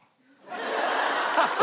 ハハハ！